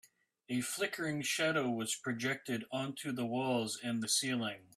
A flickering shadow was projected onto the walls and the ceiling.